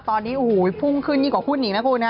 ตอนนี้โอ้โหพุ่งขึ้นยิ่งกว่าหุ้นอีกนะคุณฮะ